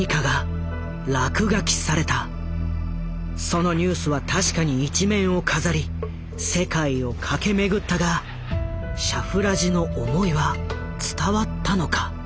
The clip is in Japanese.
そのニュースは確かに一面を飾り世界を駆け巡ったがシャフラジの思いは伝わったのか？